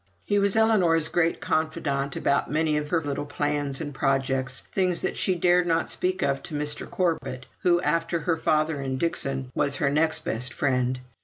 He was Ellinor's great confidant about many of her little plans and projects; things that she dared not speak of to Mr. Corbet, who, after her father and Dixon, was her next best friend.